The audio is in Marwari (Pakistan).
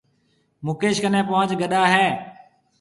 مڪيش ڪنَي پونچ گڏا هيَ۔